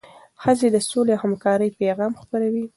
ښځې د سولې او همکارۍ پیغام خپروي.